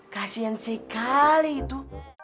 kasian sekali itu